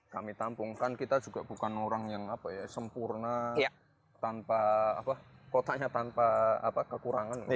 kami tampungkan kita juga bukan orang yang apa ya sempurna tanpa apa kotanya tanpa apa kekurangan